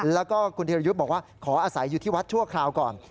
แล้วก็คุณธิรยุทธ์บอกว่าขออาศัยอยู่ที่วัดชั่วคราวก่อน